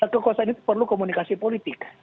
kekuasaan itu perlu komunikasi politik